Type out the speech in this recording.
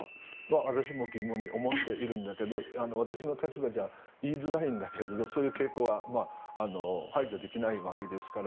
私も疑問に思ってるんだけど私の立場じゃ言いづらいんだけれどそういう傾向は排除できないわけですから。